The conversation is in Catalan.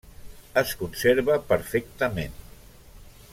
Es conserva perfectament.